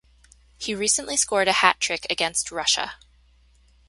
He recently scored a hat trick against Russia.